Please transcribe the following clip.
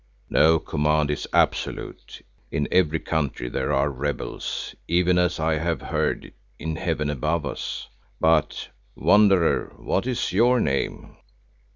"No command is absolute; in every country there are rebels, even, as I have heard, in Heaven above us. But, Wanderer, what is your name?"